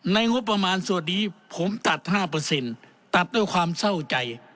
งบประมาณส่วนนี้ผมตัด๕ตัดด้วยความเศร้าใจ